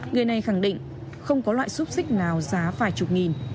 người này khẳng định không có loại xúc xích nào giá vài chục nghìn